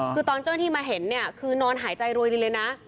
คือตอนเจ้าหน้าที่มาเห็นเนี่ยคือนอนหายใจรวยจริงเลยนะ